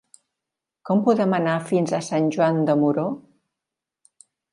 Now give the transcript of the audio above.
Com podem anar fins a Sant Joan de Moró?